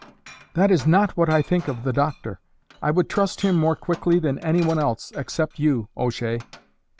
"That is not what I think of the doctor; I would trust him more quickly than anyone else, except you, O'Shea."